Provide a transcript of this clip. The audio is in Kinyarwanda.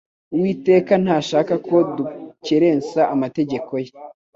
Uwiteka ntashaka ko dukerensa amategeko ye,